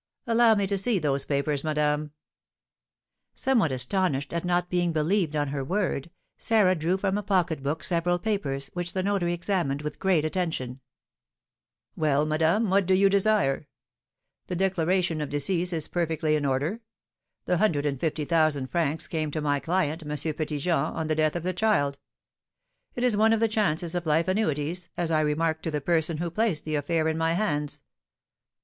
"Allow me to see those papers, madame." Somewhat astonished at not being believed on her word, Sarah drew from a pocket book several papers, which the notary examined with great attention. "Well, madame, what do you desire? The declaration of decease is perfectly in order. The hundred and fifty thousand francs came to my client, M. Petit Jean, on the death of the child. It is one of the chances of life annuities, as I remarked to the person who placed the affair in my hands.